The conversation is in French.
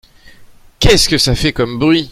Qu’est-ce que ça fait comme bruit !